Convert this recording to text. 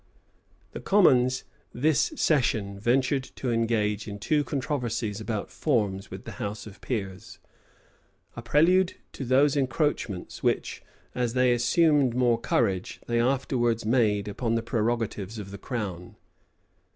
The commons, this session, ventured to engage in two controversies about forms with the house of peers; a prelude to those encroachments which, as they assumed more courage, they afterwards made upon the prerogatives of the crown.